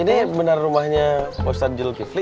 ini benar rumahnya ustadzul gifli